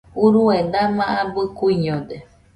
Urue dama abɨ kuiñode